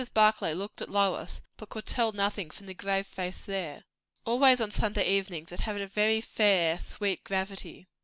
Barclay looked at Lois, but could tell nothing from the grave face there. Always on Sunday evenings it had a very fair, sweet gravity.